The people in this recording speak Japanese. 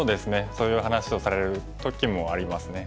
そういう話をされる時もありますね。